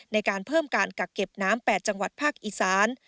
ในการเพิ่มการกักเก็บน้ำ๘จังหวัดภาคอีสาน